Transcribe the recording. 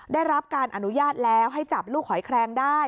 ได้รับการอนุญาตแล้วให้จับลูกหอยแคลงได้